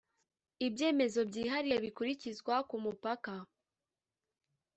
ibyemezo byihariye bikurikizwa ku mupaka